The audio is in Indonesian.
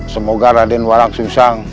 semoga raden warang susang